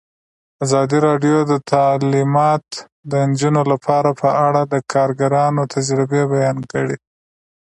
ازادي راډیو د تعلیمات د نجونو لپاره په اړه د کارګرانو تجربې بیان کړي.